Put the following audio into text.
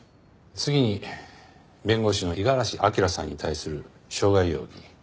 次に弁護士の五十嵐明さんに対する傷害容疑。